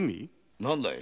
なんだい